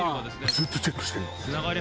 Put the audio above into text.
ずっとチェックしてんの。